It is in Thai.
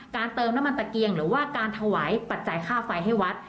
เติมน้ำมันตะเกียงหรือว่าการถวายปัจจัยค่าไฟให้วัด